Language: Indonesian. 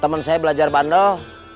temen saya belajar bandel